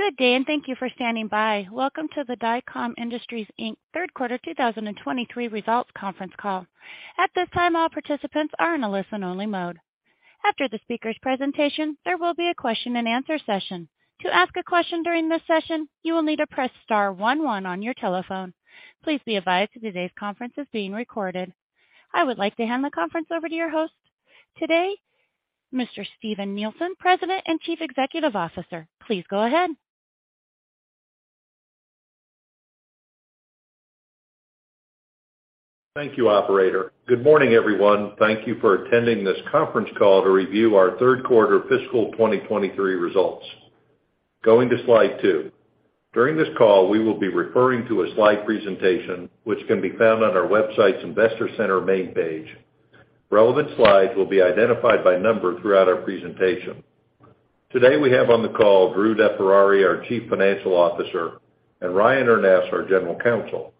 Good day, thank you for standing by. Welcome to the Dycom Industries, Inc. third quarter 2023 results conference call. At this time, all participants are in a listen-only mode. After the speaker's presentation, there will be a question-and-answer session. To ask a question during this session, you will need to press star one one on your telephone. Please be advised today's conference is being recorded. I would like to hand the conference over to your host today, Mr. Steven Nielsen, President and Chief Executive Officer. Please go ahead. Thank you, operator. Good morning, everyone. Thank you for attending this conference call to review our 3rd quarter fiscal 2023 results. Going to slide two. During this call, we will be referring to a slide presentation which can be found on our website's investor center main page. Relevant slides will be identified by number throughout our presentation. Today, we have on the call Andrew DeFerrari, our Chief Financial Officer, and Ryan Urness, our General Counsel.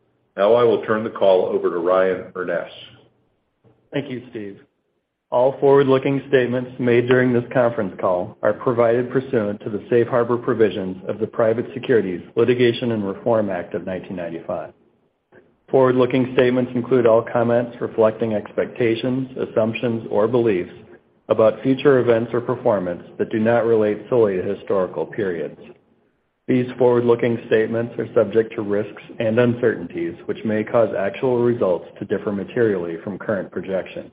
I will turn the call over to Ryan Urness. Thank you, Steven. All forward-looking statements made during this conference call are provided pursuant to the safe harbor provisions of the Private Securities Litigation and Reform Act of 1995. Forward-looking statements include all comments reflecting expectations, assumptions, or beliefs about future events or performance that do not relate solely to historical periods. These forward-looking statements are subject to risks and uncertainties, which may cause actual results to differ materially from current projections,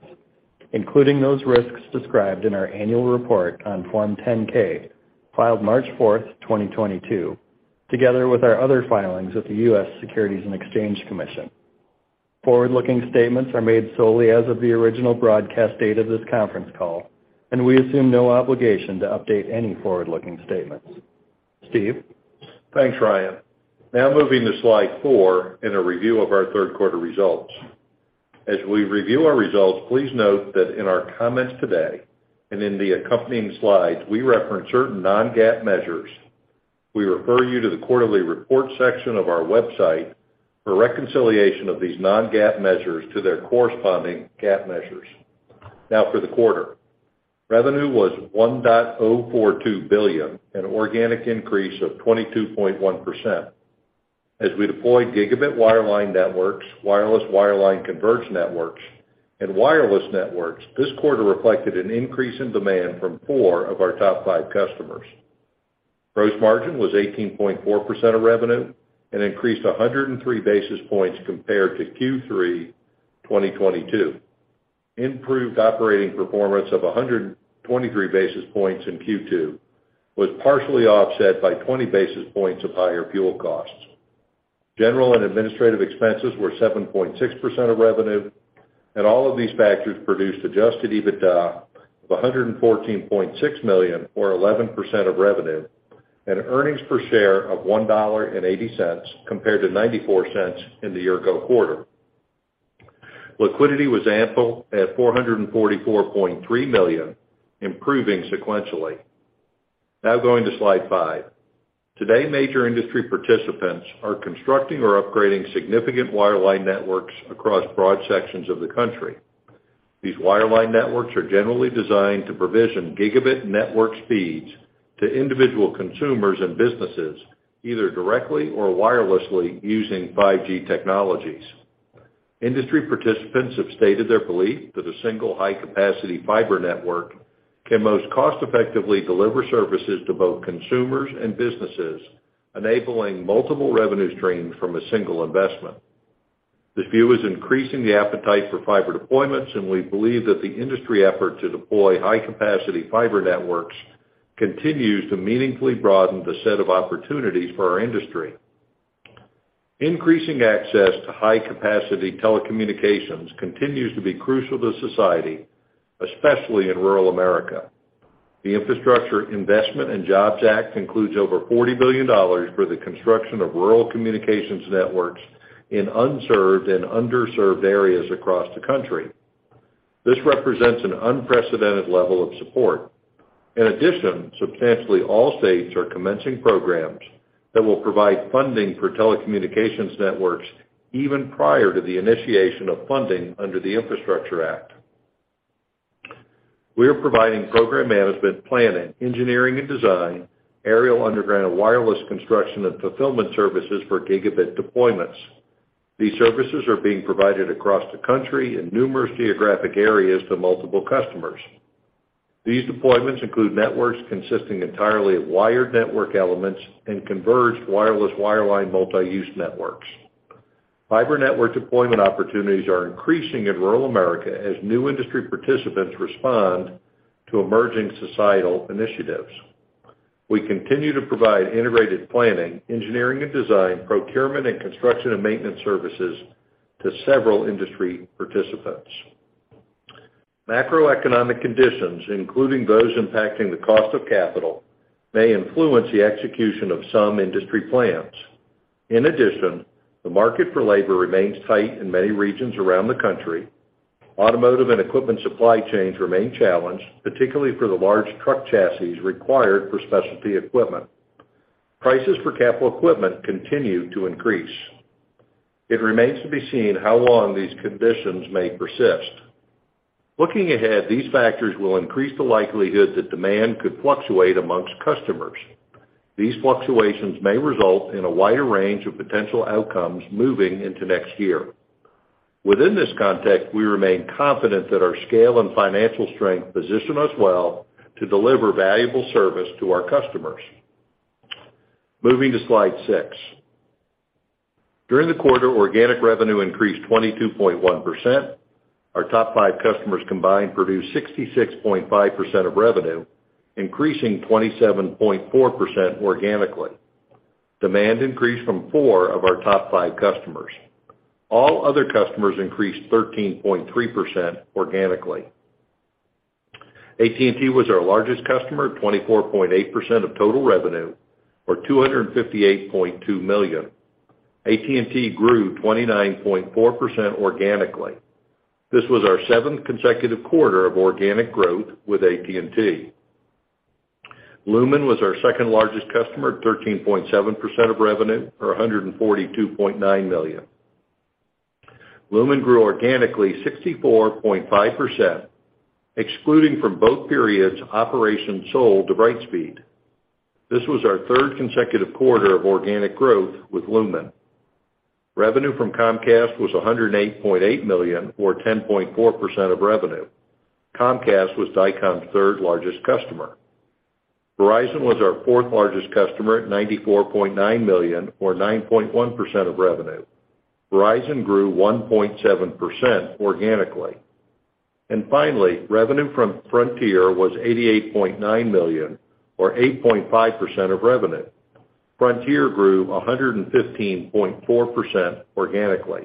including those risks described in our annual report on Form 10-K filed March fourth, 2022, together with our other filings with the US Securities and Exchange Commission. Forward-looking statements are made solely as of the original broadcast date of this conference call, we assume no obligation to update any forward-looking statements. Steven? Thanks, Ryan. Moving to slide four in a review of our third quarter results. As we review our results, please note that in our comments today and in the accompanying slides, we reference certain non-GAAP measures. We refer you to the quarterly report section of our website for reconciliation of these non-GAAP measures to their corresponding GAAP measures. For the quarter. Revenue was $1.042 billion, an organic increase of 22.1%. As we deployed gigabit wireline networks, wireless wireline converged networks, and wireless networks, this quarter reflected an increase in demand from four of our top five customers. Gross margin was 18.4% of revenue and increased 103 basis points compared to Q3 2022. Improved operating performance of 123 basis points in Q2 was partially offset by 20 basis points of higher fuel costs. General and administrative expenses were 7.6% of revenue. All of these factors produced adjusted EBITDA of $114.6 million, or 11% of revenue, and earnings per share of $1.80 compared to $0.94 in the year-ago quarter. Liquidity was ample at $444.3 million, improving sequentially. Going to slide five. Today, major industry participants are constructing or upgrading significant wireline networks across broad sections of the country. These wireline networks are generally designed to provision gigabit network speeds to individual consumers and businesses, either directly or wirelessly using 5G technologies. Industry participants have stated their belief that a single high-capacity fiber network can most cost-effectively deliver services to both consumers and businesses, enabling multiple revenue streams from a single investment. This view is increasing the appetite for fiber deployments, and we believe that the industry effort to deploy high-capacity fiber networks continues to meaningfully broaden the set of opportunities for our industry. Increasing access to high-capacity telecommunications continues to be crucial to society, especially in rural America. The Infrastructure Investment and Jobs Act includes over $40 billion for the construction of rural communications networks in unserved and underserved areas across the country. This represents an unprecedented level of support. In addition, substantially all states are commencing programs that will provide funding for telecommunications networks even prior to the initiation of funding under the Infrastructure Act. We are providing program management, planning, engineering and design, aerial, underground, and wireless construction and fulfillment services for gigabit deployments. These services are being provided across the country in numerous geographic areas to multiple customers. These deployments include networks consisting entirely of wired network elements and converged wireless wireline multi-use networks. Fiber network deployment opportunities are increasing in rural America as new industry participants respond to emerging societal initiatives. We continue to provide integrated planning, engineering and design, procurement and construction and maintenance services to several industry participants. Macroeconomic conditions, including those impacting the cost of capital, may influence the execution of some industry plans. In addition, the market for labor remains tight in many regions around the country. Automotive and equipment supply chains remain challenged, particularly for the large truck chassis required for specialty equipment. Prices for capital equipment continue to increase. It remains to be seen how long these conditions may persist. Looking ahead, these factors will increase the likelihood that demand could fluctuate amongst customers. These fluctuations may result in a wider range of potential outcomes moving into next year. Within this context, we remain confident that our scale and financial strength position us well to deliver valuable service to our customers. Moving to Slide six. During the quarter, organic revenue increased 22.1%. Our top five customers combined produced 66.5% of revenue, increasing 27.4% organically. Demand increased from four of our top five customers. All other customers increased 13.3% organically. AT&T was our largest customer at 24.8% of total revenue, or $258.2 million. AT&T grew 29.4% organically. This was our seventh consecutive quarter of organic growth with AT&T. Lumen was our second-largest customer at 13.7% of revenue, or $142.9 million. Lumen grew organically 64.5%, excluding from both periods operations sold to Brightspeed. This was our third consecutive quarter of organic growth with Lumen. Revenue from Comcast was $108.8 million, or 10.4% of revenue. Comcast was Dycom's third-largest customer. Verizon was our fourth-largest customer at $94.9 million, or 9.1% of revenue. Verizon grew 1.7% organically. Finally, revenue from Frontier was $88.9 million, or 8.5% of revenue. Frontier grew 115.4% organically.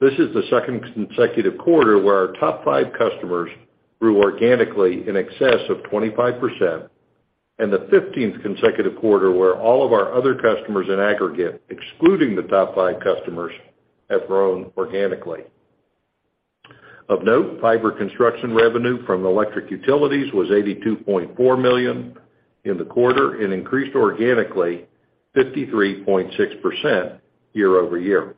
This is the second consecutive quarter where our top five customers grew organically in excess of 25%, and the 15th consecutive quarter where all of our other customers in aggregate, excluding the top five customers, have grown organically. Of note, fiber construction revenue from electric utilities was $82.4 million in the quarter and increased organically 53.6% year-over-year.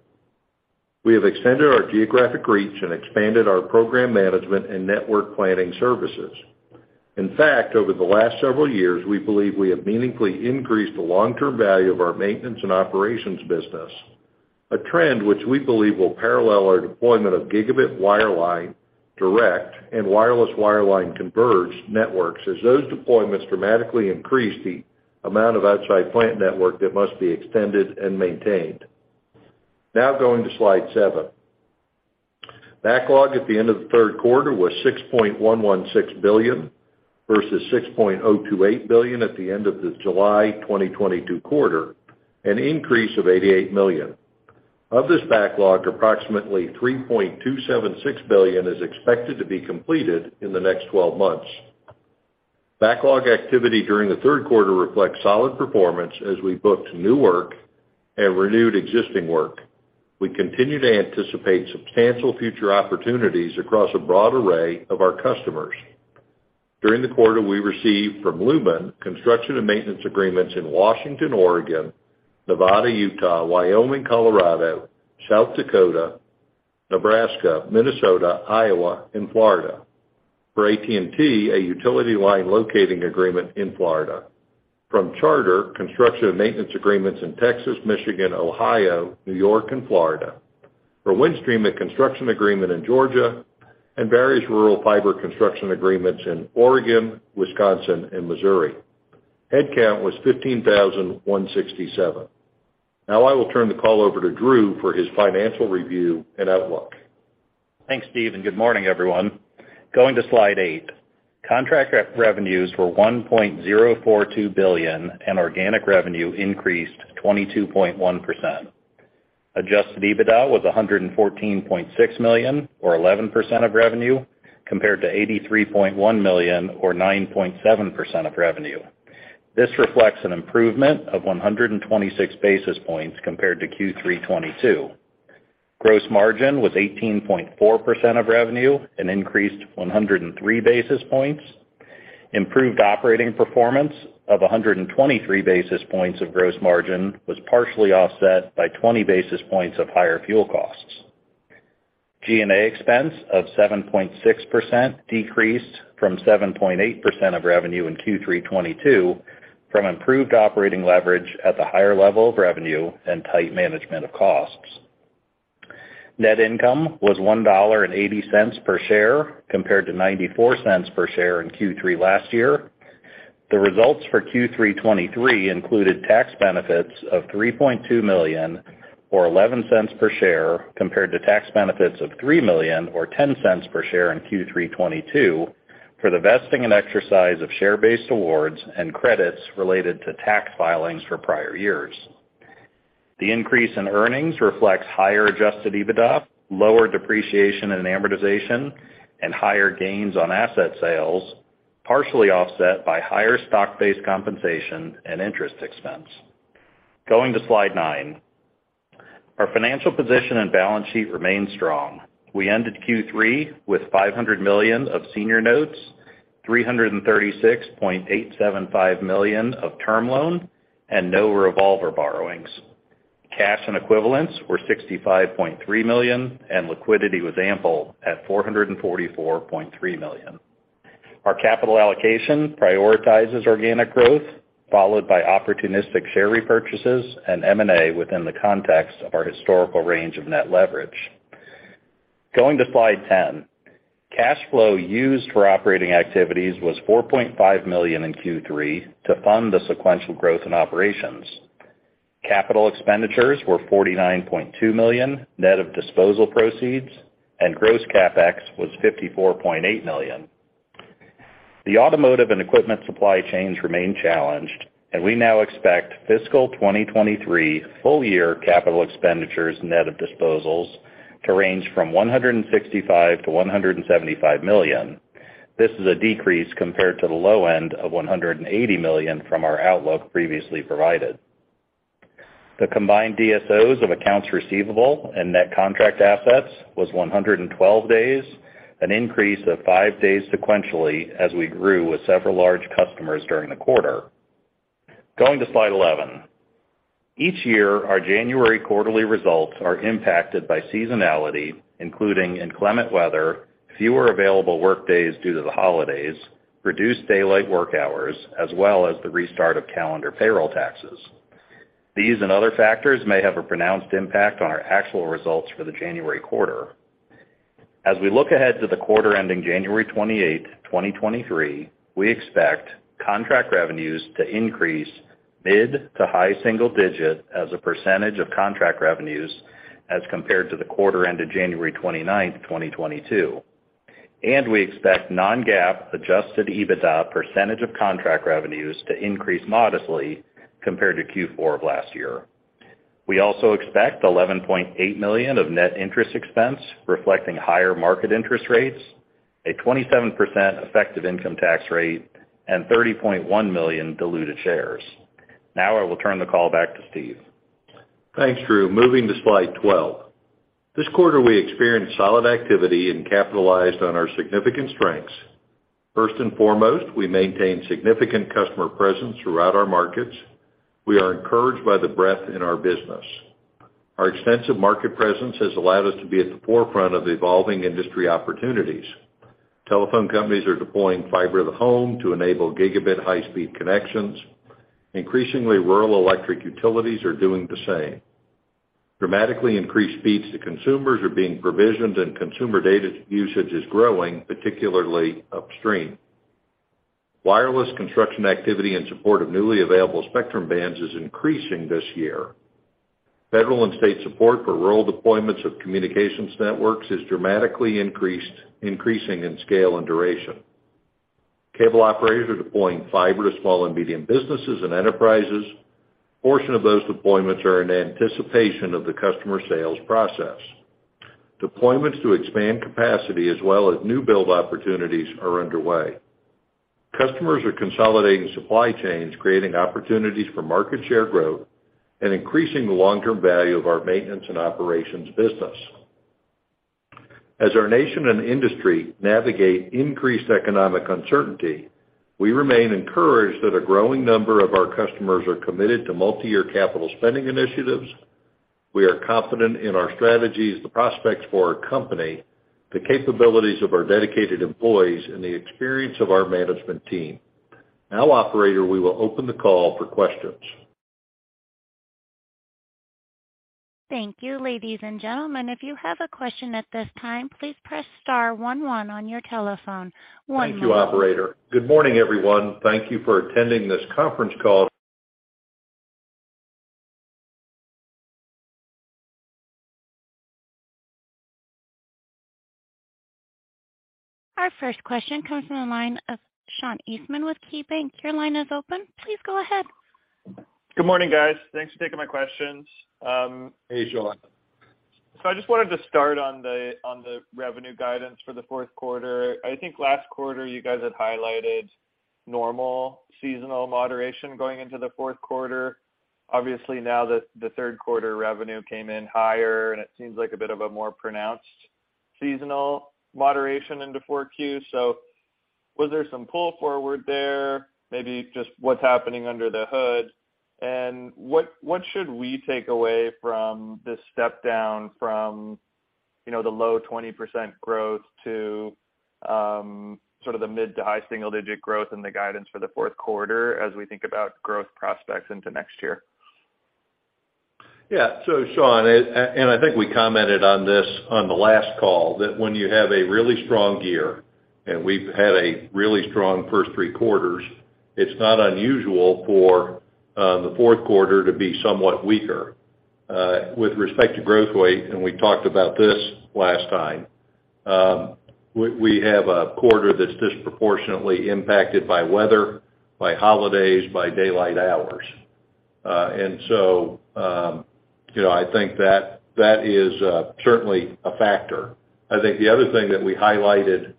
We have extended our geographic reach and expanded our program management and network planning services. In fact, over the last several years, we believe we have meaningfully increased the long-term value of our maintenance and operations business, a trend which we believe will parallel our deployment of gigabit wireline, direct and wireless wireline converged networks as those deployments dramatically increase the amount of outside plant network that must be extended and maintained. Now going to Slide seven. Backlog at the end of the third quarter was $6.116 billion, versus $6.028 billion at the end of the July 2022 quarter, an increase of $88 million. Of this backlog, approximately $3.276 billion is expected to be completed in the next 12 months. Backlog activity during the third quarter reflects solid performance as we booked new work and renewed existing work. We continue to anticipate substantial future opportunities across a broad array of our customers. During the quarter, we received from Lumen construction and maintenance agreements in Washington, Oregon, Nevada, Utah, Wyoming, Colorado, South Dakota, Nebraska, Minnesota, Iowa, and Florida. For AT&T, a utility line locating agreement in Florida. From Charter, construction and maintenance agreements in Texas, Michigan, Ohio, New York and Florida. From Windstream, a construction agreement in Georgia and various rural fiber construction agreements in Oregon, Wisconsin and Missouri. Headcount was 15,167. I will turn the call over to Andrew for his financial review and outlook. Thanks, Steven. Good morning, everyone. Going to Slide 8. Contract re-revenues were $1.042 billion, and organic revenue increased 22.1%. Adjusted EBITDA was $114.6 million, or 11% of revenue, compared to $83.1 million, or 9.7% of revenue. This reflects an improvement of 126 basis points compared to Q3 2022. Gross margin was 18.4% of revenue and increased 103 basis points. Improved operating performance of 123 basis points of gross margin was partially offset by 20 basis points of higher fuel costs. G&A expense of 7.6% decreased from 7.8% of revenue in Q3 2022 from improved operating leverage at the higher level of revenue and tight management of costs. Net income was $1.80 per share, compared to $0.94 per share in Q3 last year. The results for Q3 2023 included tax benefits of $3.2 million, or $0.11 per share, compared to tax benefits of $3 million, or $0.10 per share in Q3 2022 for the vesting and exercise of share-based awards and credits related to tax filings for prior years. The increase in earnings reflects higher adjusted EBITDA, lower depreciation and amortization, and higher gains on asset sales, partially offset by higher stock-based compensation and interest expense. Going to Slide nine. Our financial position and balance sheet remain strong. We ended Q3 with $500 million of senior notes, $336.875 million of term loan and no revolver borrowings. Cash and equivalents were $65.3 million, and liquidity was ample at $444.3 million. Our capital allocation prioritizes organic growth, followed by opportunistic share repurchases and M&A within the context of our historical range of net leverage. Going to slide 10. Cash flow used for operating activities was $4.5 million in Q3 to fund the sequential growth in operations. Capital expenditures were $49.2 million, net of disposal proceeds, and gross CapEx was $54.8 million. The automotive and equipment supply chains remain challenged. We now expect fiscal 2023 full year capital expenditures net of disposals to range from $165 million-$175 million. This is a decrease compared to the low end of $180 million from our outlook previously provided. The combined DSOs of accounts receivable and net contract assets was 112 days, an increase of 5 days sequentially as we grew with several large customers during the quarter. Going to slide 11. Each year, our January quarterly results are impacted by seasonality, including inclement weather, fewer available workdays due to the holidays, reduced daylight work hours, as well as the restart of calendar payroll taxes. These and other factors may have a pronounced impact on our actual results for the January quarter. As we look ahead to the quarter ending January 28th, 2023, we expect contract revenues to increase mid to high single digit as a % of contract revenues as compared to the quarter end of January 29th, 2022. We expect non-GAAP adjusted EBITDA % of contract revenues to increase modestly compared to Q4 of last year. We also expect $11.8 million of net interest expense reflecting higher market interest rates, a 27% effective income tax rate, and 30.1 million diluted shares. I will turn the call back to Steven. Thanks, Andrew. Moving to slide 12. This quarter, we experienced solid activity and capitalized on our significant strengths. First and foremost, we maintain significant customer presence throughout our markets. We are encouraged by the breadth in our business. Our extensive market presence has allowed us to be at the forefront of evolving industry opportunities. Telephone companies are deploying fiber to the home to enable gigabit high-speed connections. Increasingly, rural electric utilities are doing the same. Dramatically increased speeds to consumers are being provisioned, and consumer data usage is growing, particularly upstream. Wireless construction activity in support of newly available spectrum bands is increasing this year. Federal and state support for rural deployments of communications networks is dramatically increasing in scale and duration. Cable operators are deploying fiber to small and medium businesses and enterprises. A portion of those deployments are in anticipation of the customer sales process. Deployments to expand capacity as well as new build opportunities are underway. Customers are consolidating supply chains, creating opportunities for market share growth and increasing the long-term value of our maintenance and operations business. As our nation and industry navigate increased economic uncertainty, we remain encouraged that a growing number of our customers are committed to multi-year capital spending initiatives. We are confident in our strategies, the prospects for our company, the capabilities of our dedicated employees, and the experience of our management team. Operator, we will open the call for questions. Thank you, ladies and gentlemen. If you have a question at this time, please press star one one on your telephone. One moment. Thank you, operator. Good morning, everyone. Thank you for attending this conference call. Our first question comes from the line of Sean Eastman with KeyBank. Your line is open. Please go ahead. Good morning, guys. Thanks for taking my questions. Hey, Sean. I just wanted to start on the revenue guidance for the fourth quarter. I think last quarter you guys had highlighted normal seasonal moderation going into the fourth quarter. Obviously, now that the third quarter revenue came in higher, and it seems like a bit of a more pronounced seasonal moderation into 4Q. Was there some pull forward there? Maybe just what's happening under the hood. What should we take away from this step down from, you know, the low 20% growth to, sort of the mid to high single-digit growth in the guidance for the fourth quarter as we think about growth prospects into next year? Yeah. Sean, and I think we commented on this on the last call, that when you have a really strong year, and we've had a really strong first three quarters, it's not unusual for the fourth quarter to be somewhat weaker. With respect to growth rate, we talked about this last time, we have a quarter that's disproportionately impacted by weather, by holidays, by daylight hours. You know, I think that is certainly a factor. I think the other thing that we highlighted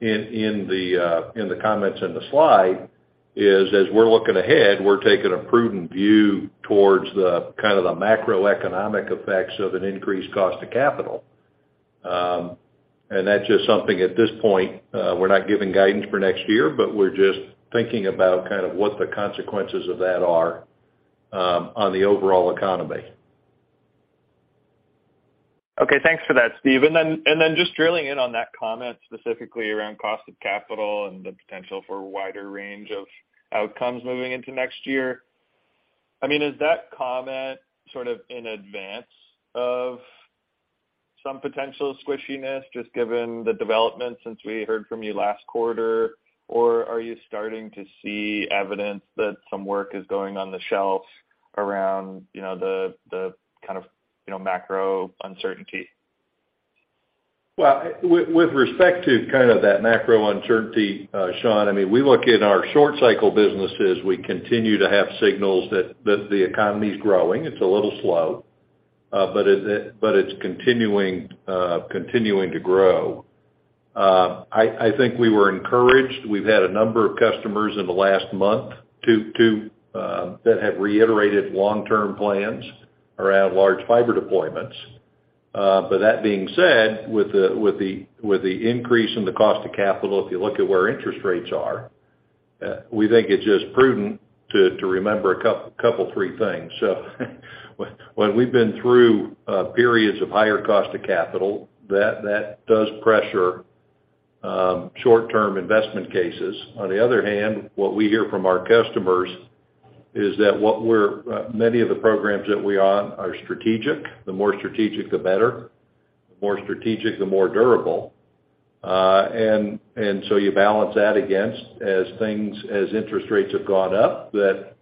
in the comments in the slides as we're looking ahead, we're taking a prudent view towards the kind of the macroeconomic effects of an increased cost of capital. That's just something at this point, we're not giving guidance for next year, but we're just thinking about kind of what the consequences of that are, on the overall economy. Okay. Thanks for that, Steven. Just drilling in on that comment specifically around cost of capital and the potential for a wider range of outcomes moving into next year. I mean, is that comment sort of in advance of some potential squishiness just given the developments since we heard from you last quarter? Or are you starting to see evidence that some work is going on the shelf around, you know, the kind of, you know, macro uncertainty? With respect to kind of that macro uncertainty, Sean, I mean, we look in our short-cycle businesses, we continue to have signals that the economy is growing. It's a little slow, but it's continuing to grow. I think we were encouraged. We've had a number of customers in the last month to that have reiterated long-term plans around large fiber deployments. That being said, with the increase in the cost of capital, if you look at where interest rates are, we think it's just prudent to remember a couple, three things. When we've been through periods of higher cost of capital, that does pressure short-term investment cases. On the other hand, what we hear from our customers is that many of the programs that we on are strategic, the more strategic, the better, the more strategic, the more durable. You balance that against as interest rates have gone up, that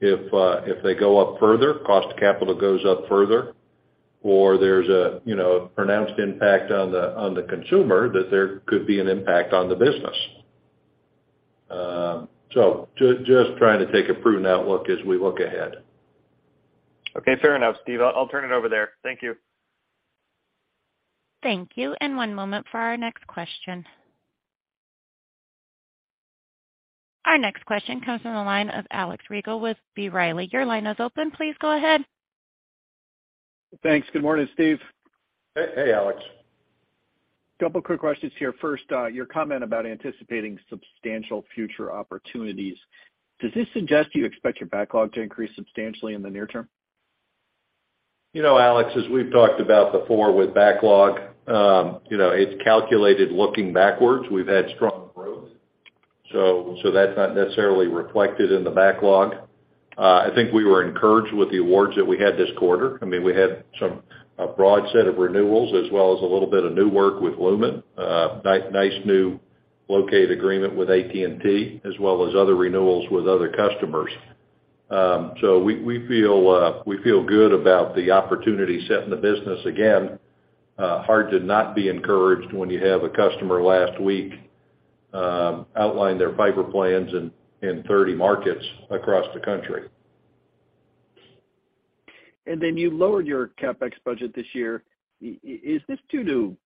if they go up further, cost of capital goes up further, or there's a, you know, pronounced impact on the consumer, that there could be an impact on the business. Just trying to take a prudent outlook as we look ahead. Okay. Fair enough, Steven. I'll turn it over there. Thank you. Thank you. One moment for our next question. Our next question comes from the line of Alex Rygiel with B. Riley. Your line is open. Please go ahead. Thanks. Good morning, Steven. Hey, Alex. Couple quick questions here. First, your comment about anticipating substantial future opportunities. Does this suggest you expect your backlog to increase substantially in the near term? You know, Alex, as we've talked about before with backlog, you know, it's calculated looking backwards. We've had strong growth, so that's not necessarily reflected in the backlog. I think we were encouraged with the awards that we had this quarter. I mean, we had a broad set of renewals as well as a little bit of new work with Lumen, nice new located agreement with AT&T, as well as other renewals with other customers. We feel good about the opportunity set in the business. Again, hard to not be encouraged when you have a customer last week, outline their fiber plans in 30 markets across the country. You lowered your CapEx budget this year. Is this due to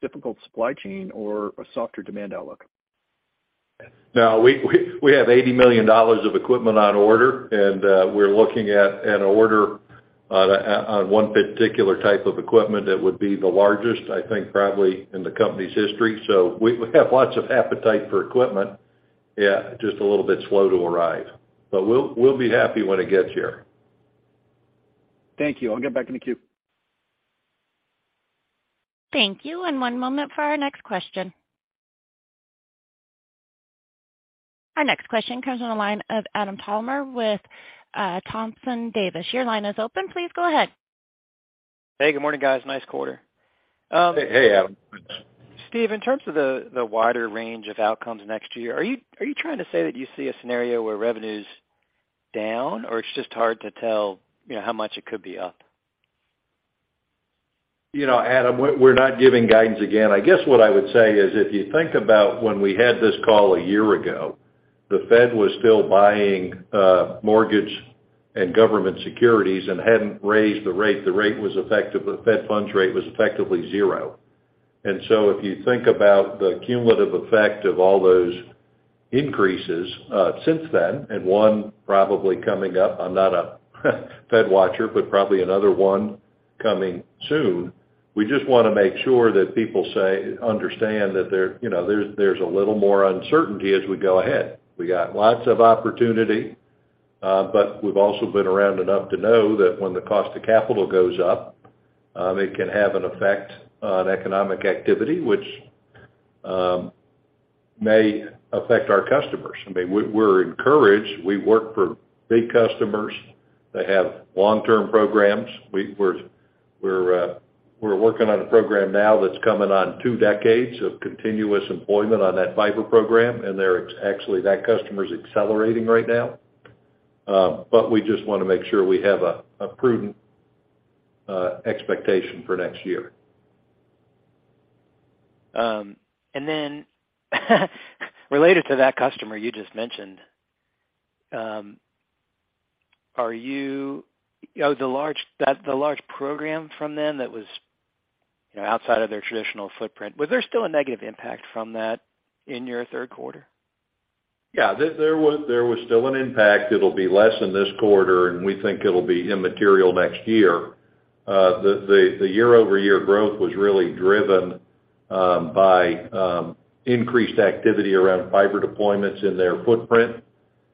difficult supply chain or a softer demand outlook? No. We have $80 million of equipment on order, we're looking at an order on one particular type of equipment that would be the largest, I think, probably in the company's history. We have lots of appetite for equipment. Yeah, just a little bit slow to arrive. We'll be happy when it gets here. Thank you. I'll get back in the queue. Thank you. One moment for our next question. Our next question comes on the line of Adam Palmer with, Thompson Davis. Your line is open. Please go ahead. Hey, good morning, guys. Nice quarter. Hey, Adam. Steven, in terms of the wider range of outcomes next year, are you trying to say that you see a scenario where revenue is down, or it's just hard to tell, you know, how much it could be up? You know, Adam, we're not giving guidance again. I guess what I would say is, if you think about when we had this call a year ago, the Fed was still buying mortgage and government securities and hadn't raised the rate. The Fed funds rate was effectively zero. If you think about the cumulative effect of all those increases since then, and one probably coming up, I'm not a Fed watcher, but probably another 1 coming soon, we just wanna make sure that people understand that there, you know, there's a little more uncertainty as we go ahead. We got lots of opportunity, but we've also been around enough to know that when the cost of capital goes up, it can have an effect on economic activity, which may affect our customers. I mean, we're encouraged. We work for big customers that have long-term programs. We're working on a program now that's coming on two decades of continuous employment on that fiber program. Actually, that customer is accelerating right now. We just wanna make sure we have a prudent expectation for next year. Then related to that customer you just mentioned. Oh, the large program from them that was, you know, outside of their traditional footprint, was there still a negative impact from that in your third quarter? Yeah. There was still an impact. It'll be less in this quarter, and we think it'll be immaterial next year. The year-over-year growth was really driven by increased activity around fiber deployments in their footprint,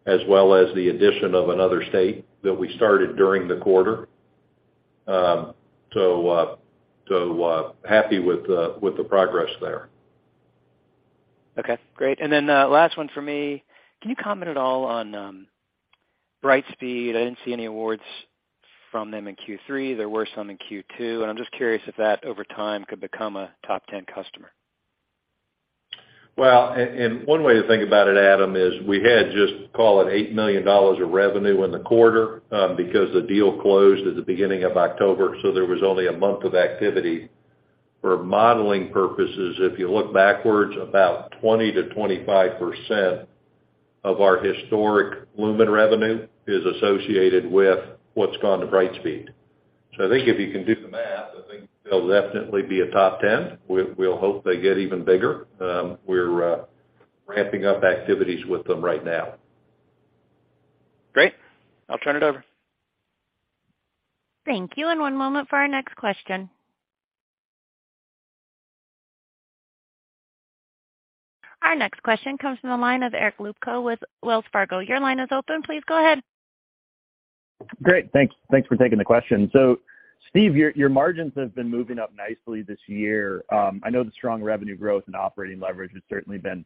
as well as the addition of another state that we started during the quarter. Happy with the progress there. Okay, great. Last one for me. Can you comment at all on Brightspeed? I didn't see any awards from them in Q3. There were some in Q2. I'm just curious if that over time could become a top 10 customer. One way to think about it, Adam, is we had just call it $8 million of revenue in the quarter, because the deal closed at the beginning of October, so there was only a month of activity. For modeling purposes, if you look backwards, about 20%-25% of our historic Lumen revenue is associated with what's gone to Brightspeed. I think if you can do the math, I think they'll definitely be a top 10. We'll hope they get even bigger. We're ramping up activities with them right now. Great. I'll turn it over. Thank you. One moment for our next question. Our next question comes from the line of Eric Luebchow with Wells Fargo. Your line is open. Please go ahead. Great. Thanks. Thanks for taking the question. Steven, your margins have been moving up nicely this year. I know the strong revenue growth and operating leverage has certainly been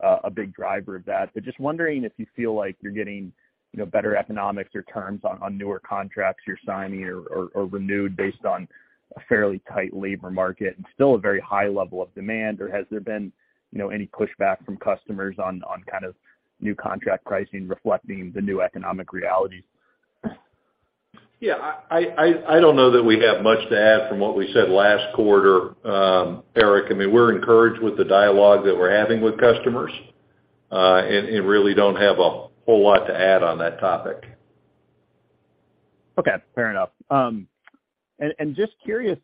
a big driver of that. But just wondering if you feel like you're getting, you know, better economics or terms on newer contracts you're signing or renewed based on a fairly tight labor market and still a very high level of demand. Or has there been, you know, any pushback from customers on kind of new contract pricing reflecting the new economic reality? Yeah, I don't know that we have much to add from what we said last quarter, Eric. I mean, we're encouraged with the dialogue that we're having with customers, and really don't have a whole lot to add on that topic. Okay, fair enough. Just curious,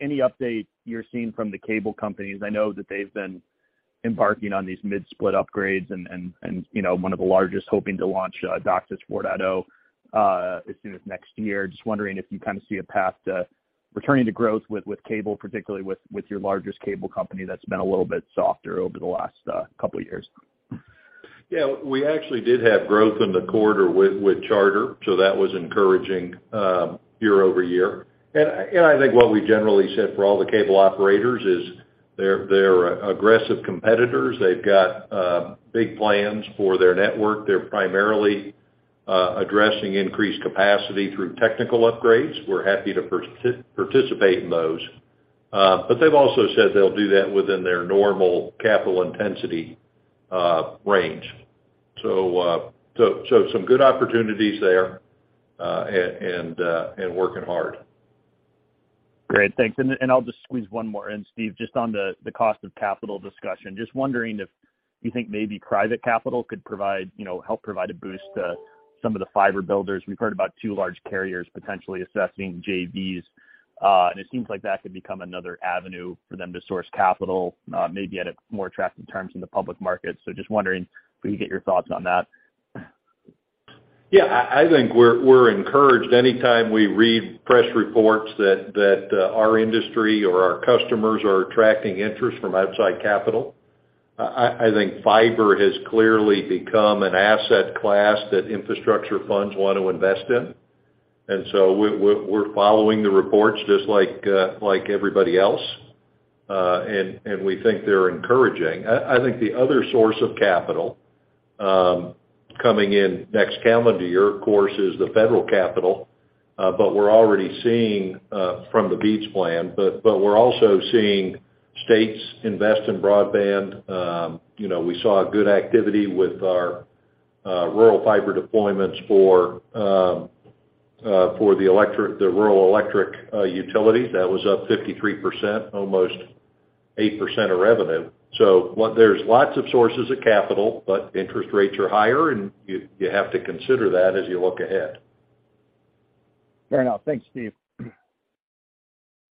any update you're seeing from the cable companies? I know that they've been embarking on these mid-split upgrades and, you know, one of the largest hoping to launch DOCSIS 4.0 as soon as next year. Just wondering if you kind of see a path to returning to growth with cable, particularly with your largest cable company that's been a little bit softer over the last couple of years? Yeah, we actually did have growth in the quarter with Charter, so that was encouraging, year-over-year. I think what we generally said for all the cable operators is they're aggressive competitors. They've got big plans for their network. They're primarily addressing increased capacity through technical upgrades. We're happy to participate in those. They've also said they'll do that within their normal capital intensity range. So some good opportunities there and working hard. Great. Thanks. I'll just squeeze one more in, Steven, just on the cost of capital discussion. Just wondering if you think maybe private capital could provide, you know, help provide a boost to some of the fiber builders. We've heard about two large carriers potentially assessing JVs, and it seems like that could become another avenue for them to source capital maybe at a more attractive terms in the public market. Just wondering if we could get your thoughts on that. Yeah. I think we're encouraged anytime we read press reports that, our industry or our customers are attracting interest from outside capital. I think fiber has clearly become an asset class that infrastructure funds want to invest in. We're following the reports just like everybody else, and we think they're encouraging. I think the other source of capital, coming in next calendar year, of course, is the federal capital, but we're already seeing, from the BEAD plan. We're also seeing states invest in broadband. you know, we saw good activity with our, rural fiber deployments for the rural electric, utilities. That was up 53%, almost 8% of revenue. There's lots of sources of capital, but interest rates are higher, and you have to consider that as you look ahead. Fair enough. Thanks, Steven.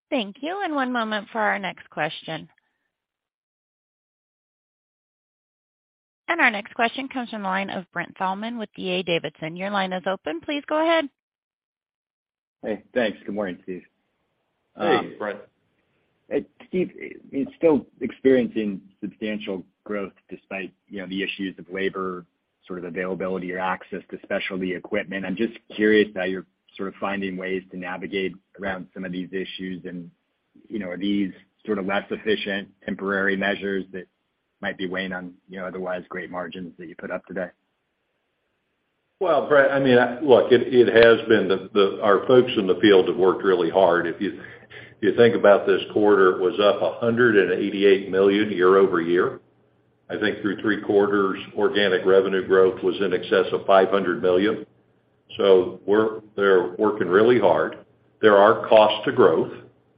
Thank you. 1 moment for our next question. Our next question comes from the line of Brent Thielman with D.A. Davidson. Your line is open. Please go ahead. Hey, thanks. Good morning, Steven. Hey, Brent. Steven, you're still experiencing substantial growth despite, you know, the issues of labor, sort of availability or access to specialty equipment. I'm just curious how you're sort of finding ways to navigate around some of these issues. You know, are these sort of less efficient temporary measures that might be weighing on, you know, otherwise great margins that you put up today? Well, Brent, I mean, look, it has been our folks in the field have worked really hard. If you think about this quarter, it was up $188 million year-over-year. I think through three quarters, organic revenue growth was in excess of $500 million. They're working really hard. There are costs to growth,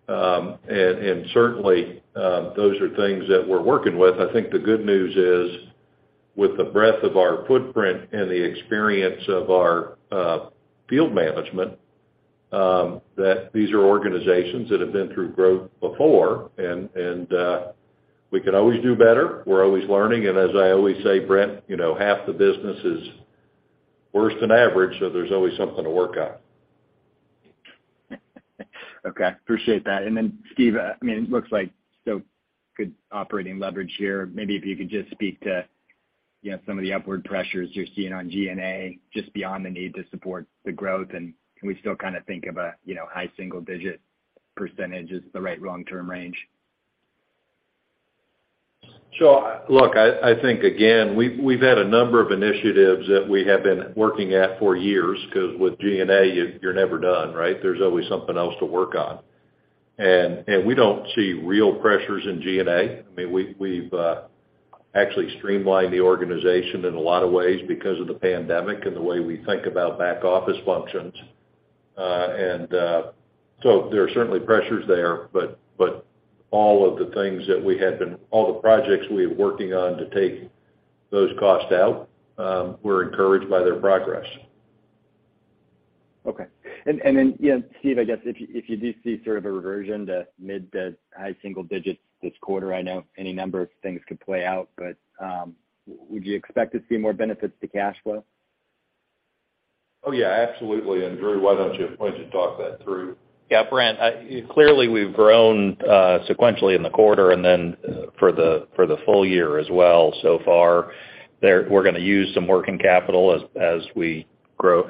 and certainly, those are things that we're working with. I think the good news is with the breadth of our footprint and the experience of our field management, that these are organizations that have been through growth before and we can always do better. We're always learning. As I always say, Brent, you know, half the business is worse than average, there's always something to work on. Okay, appreciate that. Steven, I mean, it looks like still good operating leverage here. Maybe if you could just speak to, you know, some of the upward pressures you're seeing on G&A just beyond the need to support the growth. Can we still kind of think of a, you know, high single digit % as the right long-term range? Look, I think again, we've had a number of initiatives that we have been working at for years because with GNA you're never done, right? There's always something else to work on. We don't see real pressures in GNA. I mean, we've actually streamlined the organization in a lot of ways because of the pandemic and the way we think about back office functions. There are certainly pressures there. All the projects we were working on to take those costs out, we're encouraged by their progress. Okay. Then, you know, Steven, I guess if you do see sort of a reversion to mid to high single digits this quarter, I know any number of things could play out, but, would you expect to see more benefits to cash flow? Oh, yeah, absolutely. Andrew, why don't you talk that through? Brent, clearly we've grown sequentially in the quarter and for the full year as well so far. We're gonna use some working capital as we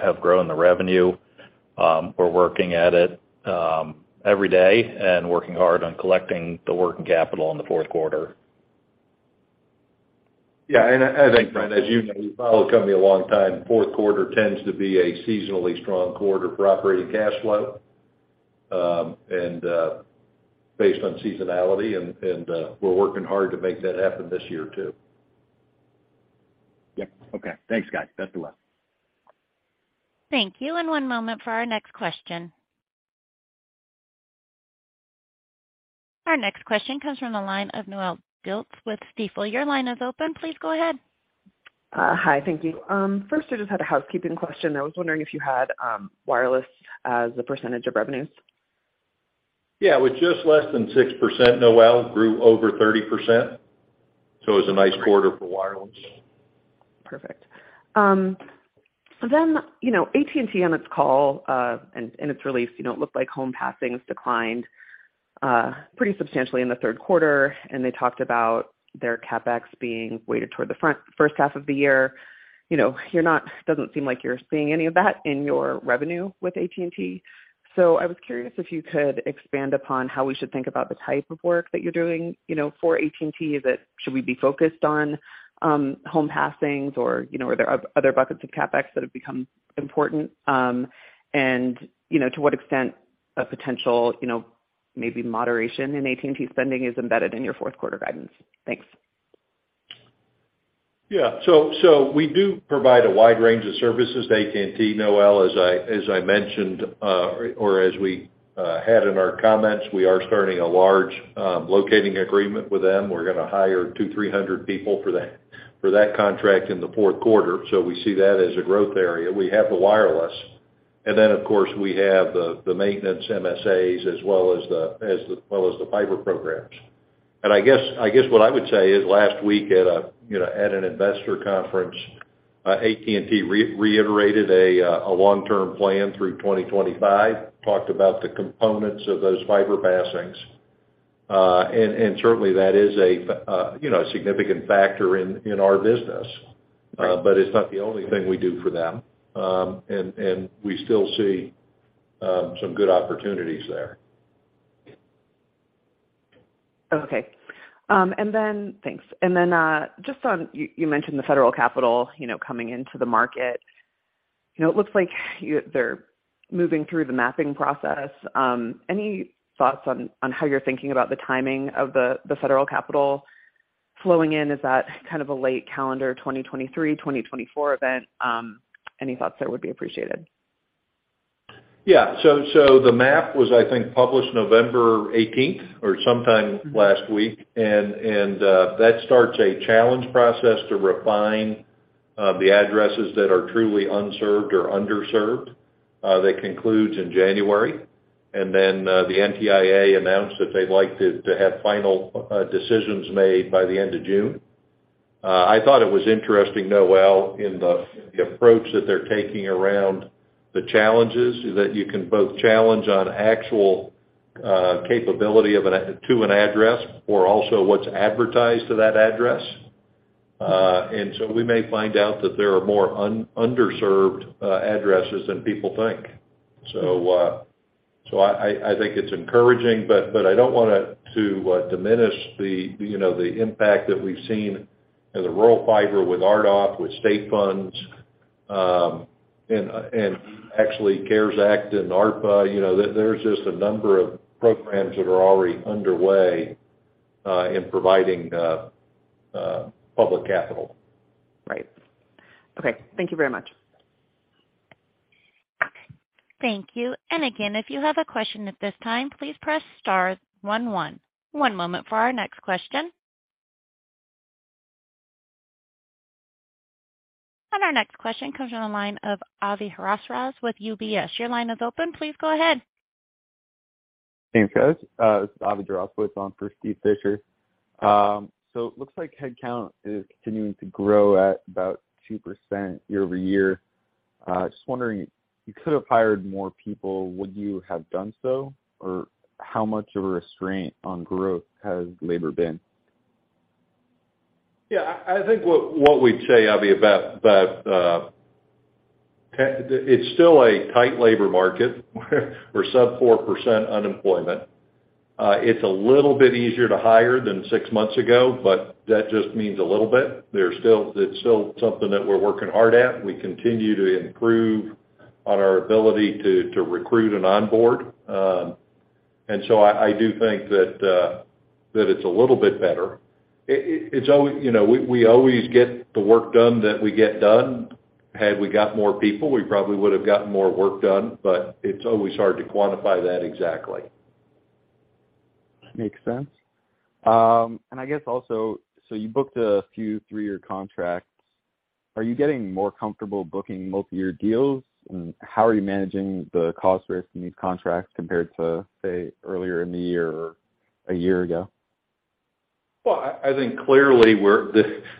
have grown the revenue. We're working at it every day and working hard on collecting the working capital in the fourth quarter. Yeah. I think, Brent, as you know, you've followed the company a long time, fourth quarter tends to be a seasonally strong quarter for operating cash flow, and, based on seasonality and, we're working hard to make that happen this year too. Yeah. Okay. Thanks, guys. Best of luck. Thank you. One moment for our next question. Our next question comes from the line of Noelle Dilts with Stifel. Your line is open. Please go ahead. Hi. Thank you. First I just had a housekeeping question. I was wondering if you had, wireless as a percentage of revenues. Yeah. With just less than 6%, Noelle, grew over 30%, so it was a nice quarter for wireless. Perfect. You know, AT&T on its call, and in its release, you know, it looked like home passings declined, pretty substantially in the third quarter, and they talked about their CapEx being weighted toward the first half of the year. You know, doesn't seem like you're seeing any of that in your revenue with AT&T. I was curious if you could expand upon how we should think about the type of work that you're doing, you know, for AT&T. Is it should we be focused on, home passings or, you know, are there other buckets of CapEx that have become important? You know, to what extent a potential, you know, maybe moderation in AT&T spending is embedded in your fourth quarter guidance? Thanks. Yeah. We do provide a wide range of services to AT&T, Noelle. As I mentioned, or as we had in our comments, we are starting a large locating agreement with them. We're gonna hire 200 to 300 people for that contract in the fourth quarter. We see that as a growth area. Of course we have the maintenance MSAs as well as the fiber programs. I guess what I would say is last week at a, you know, at an investor conference, AT&T reiterated a long-term plan through 2025, talked about the components of those fiber passings. Certainly that is a, you know, a significant factor in our business. Right. It's not the only thing we do for them. We still see some good opportunities there. Okay. Thanks. Just on you mentioned the federal capital, you know, coming into the market. You know, it looks like they're moving through the mapping process. Any thoughts on how you're thinking about the timing of the federal capital flowing in? Is that kind of a late calendar 2023, 2024 event? Any thoughts there would be appreciated. The map was, I think, published November 18th or sometime last week. That starts a challenge process to refine the addresses that are truly unserved or underserved. That concludes in January. Then, the NTIA announced that they'd like to have final decisions made by the end of June. I thought it was interesting, Noelle, in the approach that they're taking around the challenges that you can both challenge on actual capability to an address or also what's advertised to that address. So we may find out that there are more underserved addresses than people think. I think it's encouraging, but I don't want to diminish the, you know, the impact that we've seen in the rural fiber with RDOF, with state funds, and actually CARES Act and ARPA. You know, there's just a number of programs that are already underway, in providing public capital. Right. Okay. Thank you very much. Thank you. Again, if you have a question at this time, please press star one one. One moment for our next question. Our next question comes from the line of Avram Jaroslawicz with UBS. Your line is open. Please go ahead. Thanks, guys. This is Avram Jaroslawicz on for Steven Fisher. It looks like headcount is continuing to grow at about 2% year-over-year. Just wondering, you could have hired more people, would you have done so? Or how much of a restraint on growth has labor been? I think what we'd say, Avram, about it's still a tight labor market or sub 4% unemployment. It's a little bit easier to hire than six months ago, but that just means a little bit. It's still something that we're working hard at, and we continue to improve on our ability to recruit and onboard. I do think that it's a little bit better. It's always, you know, we always get the work done that we get done. Had we got more people, we probably would have gotten more work done, but it's always hard to quantify that exactly. Makes sense. I guess also, you booked a few three-year contracts. Are you getting more comfortable booking multi-year deals, and how are you managing the cost risk in these contracts compared to, say, earlier in the year or a year ago? Well, I think clearly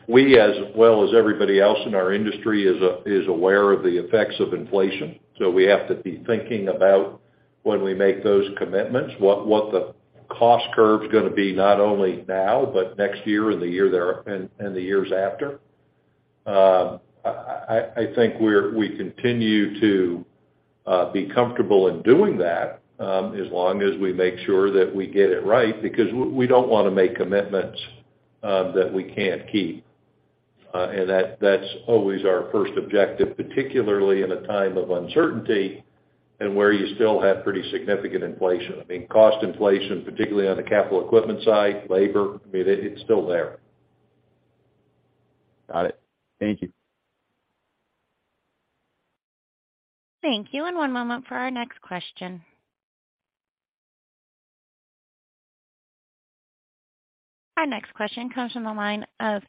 we, as well as everybody else in our industry, is aware of the effects of inflation. We have to be thinking about when we make those commitments, what the cost curve's gonna be not only now but next year and the years after. I think we continue to be comfortable in doing that, as long as we make sure that we get it right because we don't wanna make commitments that we can't keep. That's always our first objective, particularly in a time of uncertainty and where you still have pretty significant inflation. I mean, cost inflation, particularly on the capital equipment side, labor, I mean, it's still there. Got it. Thank you. Thank you. One moment for our next question. Our next question comes from the line of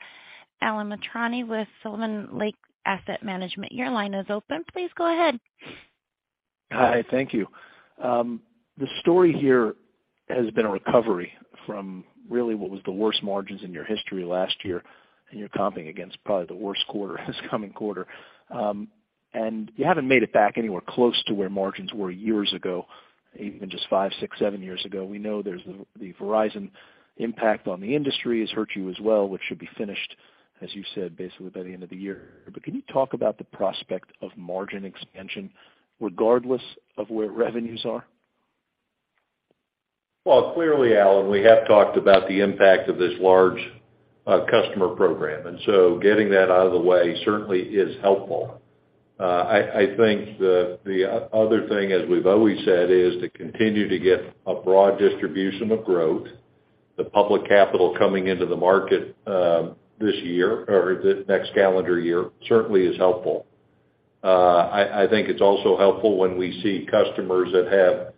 Alan Mitrani with Sylvan Lake Asset Management. Your line is open. Please go ahead. Hi, thank you. The story here has been a recovery from really what was the worst margins in your history last year, and you're comping against probably the worst quarter this coming quarter. You haven't made it back anywhere close to where margins were years ago, even just five, six, seven years ago. We know there's the Verizon impact on the industry has hurt you as well, which should be finished, as you said, basically by the end of the year. Can you talk about the prospect of margin expansion regardless of where revenues are? Well, clearly, Alan, we have talked about the impact of this large customer program, getting that out of the way certainly is helpful. I think the other thing, as we've always said, is to continue to get a broad distribution of growth. The public capital coming into the market, this year or the next calendar year certainly is helpful. I think it's also helpful when we see customers that have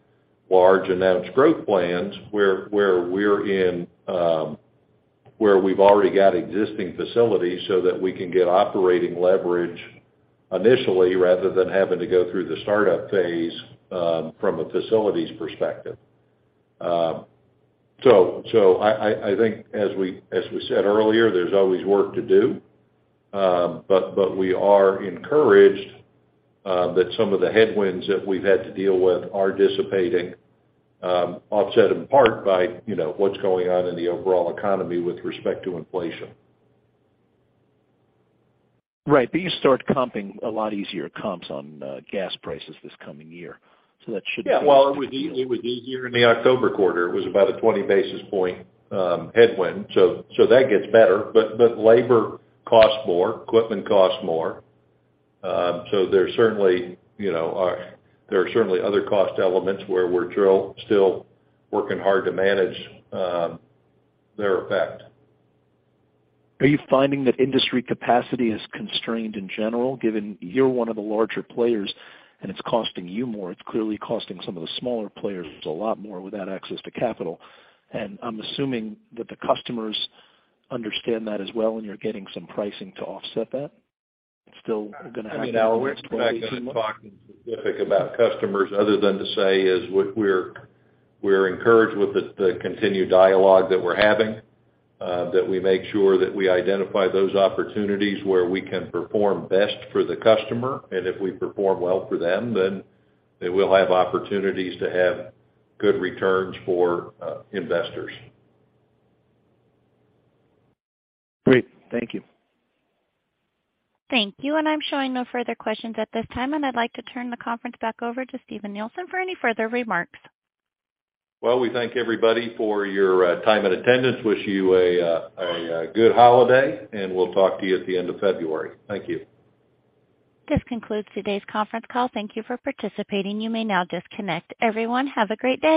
large announced growth plans where we're in, where we've already got existing facilities so that we can get operating leverage initially, rather than having to go through the startup phase, from a facilities perspective. I think as we said earlier, there's always work to do. We are encouraged, that some of the headwinds that we've had to deal with are dissipating, offset in part by, you know, what's going on in the overall economy with respect to inflation. Right. You start comping a lot easier comps on, gas prices this coming year, so that should be-. Yeah. Well, it was easier in the October quarter. It was about a 20 basis point headwind. That gets better. Labor costs more, equipment costs more. There's certainly, you know, there are certainly other cost elements where we're still working hard to manage their effect. Are you finding that industry capacity is constrained in general, given you're one of the larger players and it's costing you more? It's clearly costing some of the smaller players a lot more without access to capital. I'm assuming that the customers understand that as well, and you're getting some pricing to offset that. Still gonna happen in this 12, 18 months. I mean, Alan, we're just not gonna be talking specific about customers other than to say is we're encouraged with the continued dialogue that we're having that we make sure that we identify those opportunities where we can perform best for the customer. If we perform well for them, then they will have opportunities to have good returns for investors. Great. Thank you. Thank you. I'm showing no further questions at this time, and I'd like to turn the conference back over to Steven Nielsen for any further remarks. Well, we thank everybody for your time and attendance. Wish you a good holiday, and we'll talk to you at the end of February. Thank you. This concludes today's conference call. Thank you for participating. You may now disconnect. Everyone, have a great day.